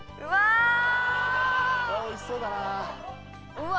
あおいしそうだなうわ